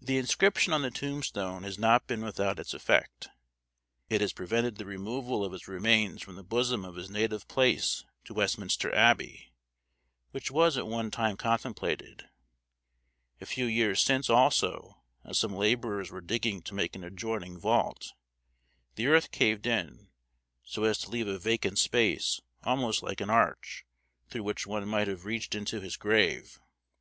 The inscription on the tombstone has not been without its effect. It has prevented the removal of his remains from the bosom of his native place to Westminster Abbey, which was at one time contemplated. A few years since also, as some laborers were digging to make an adjoining vault, the earth caved in, so as to leave a vacant space almost like an arch, through which one might have reached into his grave.